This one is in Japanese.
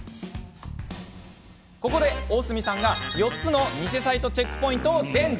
ここで大角さんが４つの偽サイトチェックポイントを伝授。